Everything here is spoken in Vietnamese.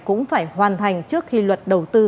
cũng phải hoàn thành trước khi luật đầu tư